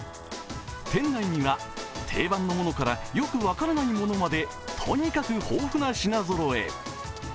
店内には定番のものからよく分からないものまでとにかく、豊富な品ぞろえ。